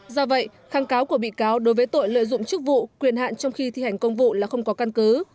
do vậy kháng cáo của bị cáo đối với tội lợi dụng chức vụ quyền hạn trong khi thi hành công vụ là không có căn cứ